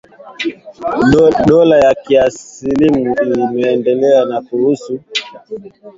Dola ya Kiislamu limedai kuhusika na shambulizi la Jamhuri ya Kidemokrasi ya Kongo lililouwa watu kumi na watano.